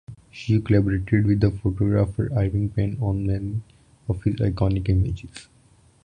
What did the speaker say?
She collaborated with the photographer Irving Penn on many of his iconic images.